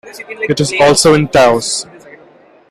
It is also in Taos.